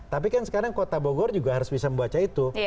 tapi kan sekarang kota bogor juga harus bisa membaca itu